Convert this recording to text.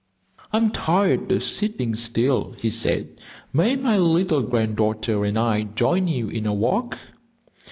"I am tired of sitting still," he said. "May my little granddaughter and I join you in a walk?"